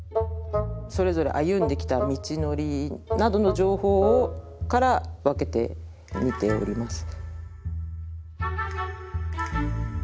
それぞれ歩んできた道のりなどの情報から分けてみております。